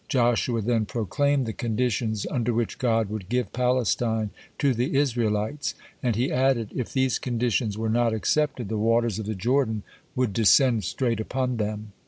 Joshua then proclaimed the conditions under which God would give Palestine to the Israelites, and he added, if these conditions were not accepted, the waters of the Jordan would descend straight upon them.